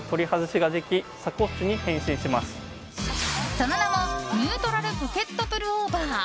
その名も、ニュートラルポケットプルオーバー。